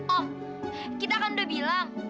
oh kita kan udah bilang